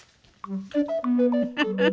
フフフフ。